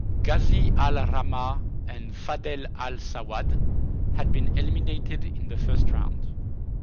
Ghazi Al Rahma and Fadhel Al Sawad had been eliminated in the first round.